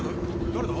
誰だ？